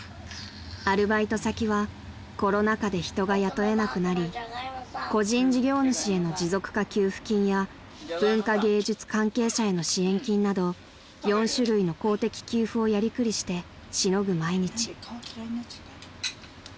［アルバイト先はコロナ禍で人が雇えなくなり個人事業主への持続化給付金や文化芸術関係者への支援金など４種類の公的給付をやりくりしてしのぐ毎日］